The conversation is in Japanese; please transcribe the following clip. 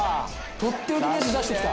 「とっておきのやつ出してきた」